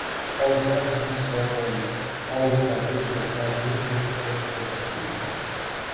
Olislar zim-ziyo bo‘ldi. Olislarda chiroqlar milt-milt etdi.